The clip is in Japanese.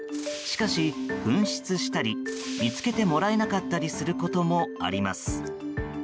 しかし、紛失したり見つけてもらえなかったりすることもあります。